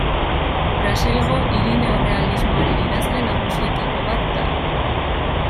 Brasilgo hiri-neorrealismoaren idazle nagusietako bat da.